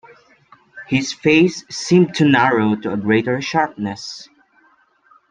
His face seemed to narrow to a greater sharpness.